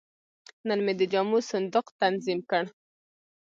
نن مې د جامو صندوق تنظیم کړ.